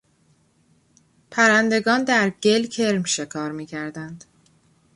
پرندگان در گل کرم شکار میکردند.